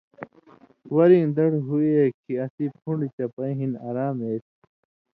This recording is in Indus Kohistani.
وریں دڑ ہُوگے کھیں اسیں پُھݩڈہۡ چپَیں ہِن آرام اےتھی۔